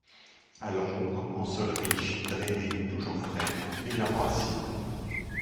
A l'ombre, en sol riche, drainé, toujours frais, légèrement acide.